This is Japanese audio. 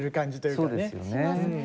そうですよね。